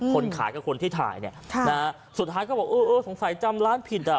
คนขายกับคนที่ถ่ายเนี่ยสุดท้ายก็บอกสงสัยจำร้านผิดอ่ะ